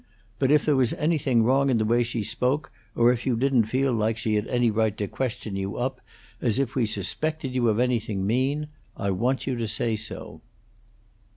But if there was anything wrong in the way she spoke, or if you didn't feel like she had any right to question you up as if we suspected you of anything mean, I want you to say so."